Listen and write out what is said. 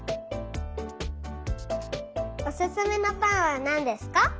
おすすめのぱんはなんですか？